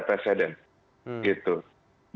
itu sudah ada presiden